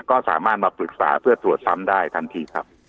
ก็สามารถมาปรึกษาเพื่อตรวจซ้ำได้ทันทีครับ